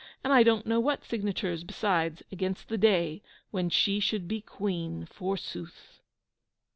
and I don't know what signatures beside, against the day when she should be Queen forsooth!